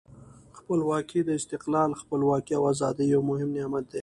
خپلواکي د استقلال، خپلواکي او آزادۍ یو مهم نعمت دی.